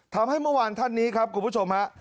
เมื่อวานท่านนี้ครับคุณผู้ชมฮะ